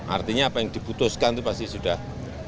artinya apa yang dibutuhkan itu pasti sudah